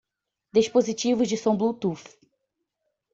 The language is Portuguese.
Dispositivos de som Bluetooth.